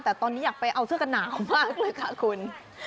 แต่ตอนนี้อยากไปเอาเสื้อกันหนาวมากเลยค่ะคุณ